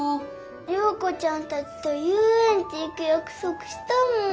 リョーコちゃんたちとゆうえんち行くやくそくしたもん。